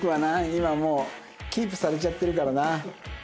今もうキープされちゃってるからな。